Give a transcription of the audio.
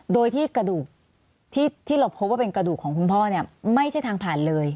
โดยที่กระดูกที่เราพบว่าเป็นกระดูกของคุณพ่อเนี่ยไม่ใช่ทางผ่านเลย